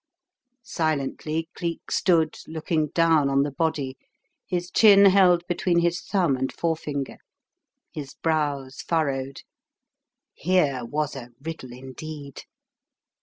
Silently Cleek stood looking down on the body, his chin held between his thumb and forefinger, his brows furrowed. Here was a riddle indeed.